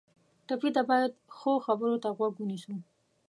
ټپي ته باید ښو خبرو ته غوږ ونیسو.